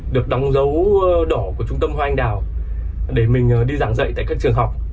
được đóng dấu đỏ của trung tâm hoa anh đào để mình đi giảng dạy tại các trường học